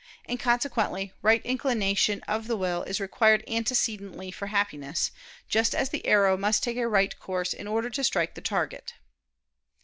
And consequently right inclination of the will is required antecedently for happiness, just as the arrow must take a right course in order to strike the target.